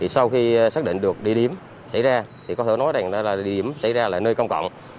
sau khi xác định được địa điểm xảy ra có thể nói rằng địa điểm xảy ra là nơi công cộng